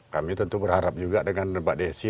kami tentu berharap juga dengan mbak desi